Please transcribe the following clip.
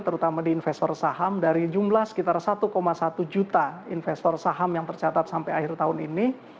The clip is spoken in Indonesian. terutama di investor saham dari jumlah sekitar satu satu juta investor saham yang tercatat sampai akhir tahun ini